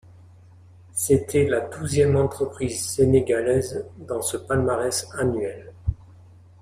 C'était la douzième entreprise sénégalaise dans ce palmarès annuel.